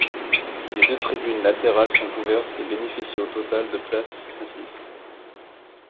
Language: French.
Les deux tribunes latérales sont couvertes et bénéficient au total de places assises.